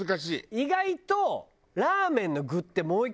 意外と。